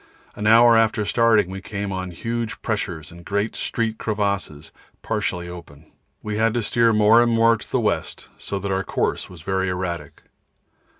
An hour after starting we came on huge pressures and great street crevasses partly open. We had to steer more and more to the west, so that our course was very erratic.